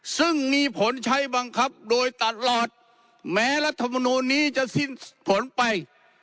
ซึ่งมีผลใช้บังคับโดยตลอดแม้รัฐมนูลนี้จะสิ้นผลไป